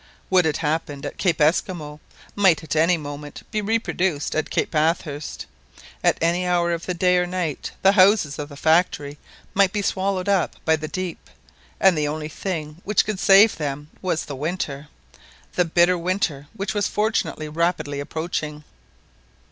What had happened at Cape Esquimaux might at any moment be reproduced at Cape Bathurst. At any hour of the day or night the houses of the factory might be swallowed up by the deep, and the only thing which could save them was the winter, the bitter winter which was fortunately rapidly approaching.